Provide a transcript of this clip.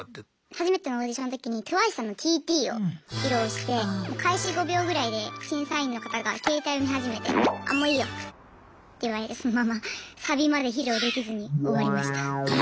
初めてのオーディションの時にＴＷＩＣＥさんの「ＴＴ」を披露して開始５秒ぐらいで審査員の方が携帯見始めて「あもういいよ」って言われてそのままサビまで披露できずに終わりました。